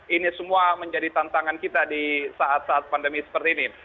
ini semua menjadi tantangan kita di saat saat pandemi seperti ini